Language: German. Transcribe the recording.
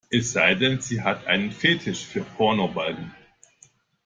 Es sei denn, sie hat einen Fetisch für Pornobalken.